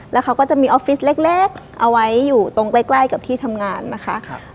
แล้วเขาก็จะมีออฟฟิศเล็กเอาไว้อยู่ตรงใกล้ใกล้กับที่ทำงานนะคะ